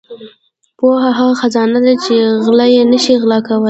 • پوهه هغه خزانه ده چې غله یې نشي غلا کولای.